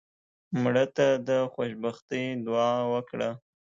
مړه ته د خوشبختۍ دعا وکړه